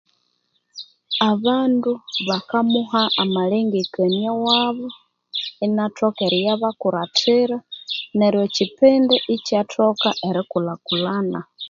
Abandu bakamuha amlengekania wabo inathoka eriyabakurathira neryo ekipindi ikyathoka erikulhakulhana